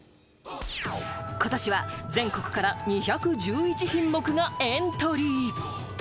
ことしは全国から２１１品目がエントリー。